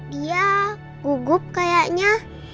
dia gugup kayaknya